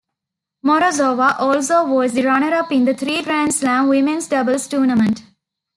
Morozova also was the runner-up in three Grand Slam women's doubles tournaments.